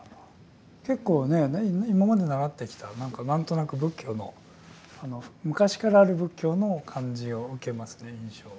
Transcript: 結構ね今まで習ってきた何となく仏教の昔からある仏教の感じを受けますね印象を。